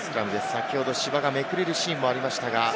先ほど芝がめくれるシーンもありました。